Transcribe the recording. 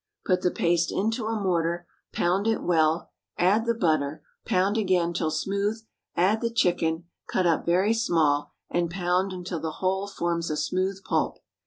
Put the paste into a mortar; pound it well; add the butter; pound again till smooth; add the chicken, cut up very small, and pound until the whole forms a smooth pulp.